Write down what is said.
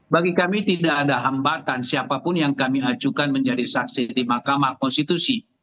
bagi kami tidak ada hambatan siapapun yang kami ajukan menjadi saksi di mahkamah konstitusi